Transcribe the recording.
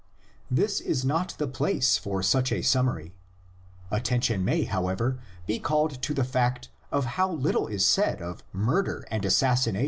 This is not the place for such a summary; attention may, however, be called to the fact of how little is said of murder and assassina 116 THE LEGENDS OF GENESIS.